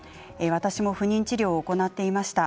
私も不妊治療を行っていました。